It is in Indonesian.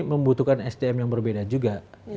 membutuhkan sdm yang berbeda juga